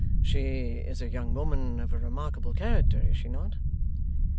'She is a young woman of a remarkable character; is she not?